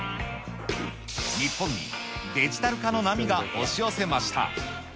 日本にデジタル化の波が押し寄せました。